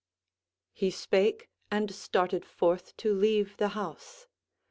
He spake, and started forth to leave the house.